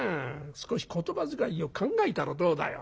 少し言葉遣いを考えたらどうだよ？